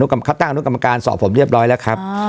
กรรมคับตั้งอนุกรรมการสอบผมเรียบร้อยแล้วครับ